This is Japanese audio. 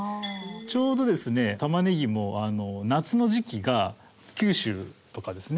ちょうどですねタマネギも夏の時期が九州とかですね